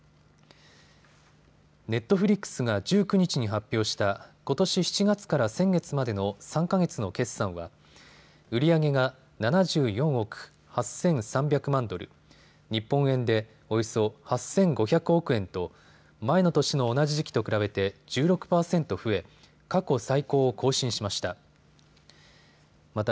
ネットフリックスが１９日に発表したことし７月から先月までの３か月の決算は売り上げが７４億８３００万ドル、日本円でおよそ８５００億円と前の年の同じ時期と比べて１６％増え過去最高を更新しました。